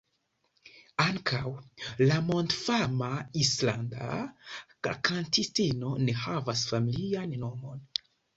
Ankaŭ la mondfama islanda kantistino ne havas familian nomon.